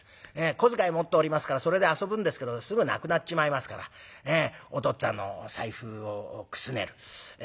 小遣い持っておりますからそれで遊ぶんですけどすぐなくなっちまいますからお父っつぁんの財布をくすねる。